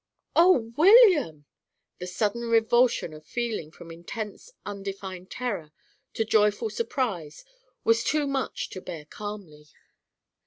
"Oh, William!" The sudden revulsion of feeling from intense, undefined terror to joyful surprise, was too much to bear calmly.